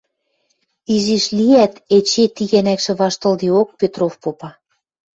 Изиш лиӓт, эче, ти гӓнӓкшӹ ваштылдеок, Петров, попа: